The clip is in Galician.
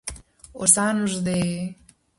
Os anos de...